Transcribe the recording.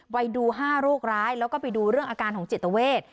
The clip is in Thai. ไปดู๕โรคร้ายแล้วก็ไปดูเรื่องอาการของจิตเวท